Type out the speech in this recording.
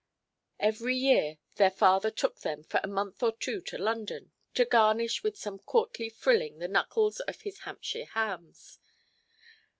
Every year their father took them for a month or two to London, to garnish with some courtly frilling the knuckles of his Hampshire hams.